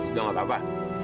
udah gak apa apa